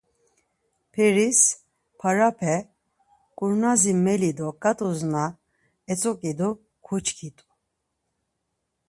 Peris, parape, ǩurnazi meli do ǩat̆us na etzoǩidu kuçkit̆u.